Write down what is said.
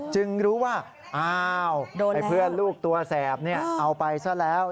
จึงรู้ว่าอ้าวเพื่อนลูกตัวแสบเอาไปซะแล้ว